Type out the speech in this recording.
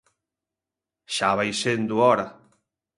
Xa vai sendo hora.